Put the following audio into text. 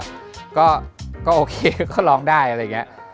มันมีหลายอย่างมากที่ทำให้ไม่ชอบเพลงนี้